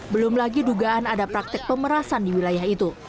belum lagi dugaan ada praktek pemerasan di wilayah itu